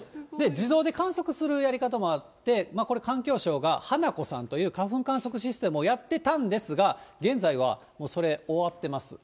自動で観測するやり方もあって、これ、環境省がはなこさんという花粉観測システムをやってたんですが、現在はもうそれ、終わってます。